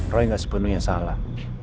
roy gak sepenuhnya salah